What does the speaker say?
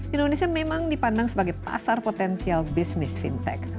indonesia memang dipandang sebagai pasar potensial bisnis fintech